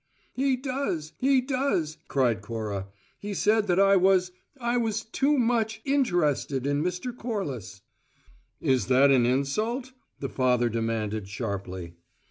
"He does! He does!" cried Cora. "He said that I was I was too much `interested' in Mr. Corliss." "Is that an `insult'?" the father demanded sharply.